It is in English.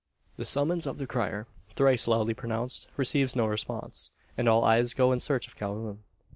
The summons of the crier, thrice loudly pronounced, receives no response; and all eyes go in search of Calhoun.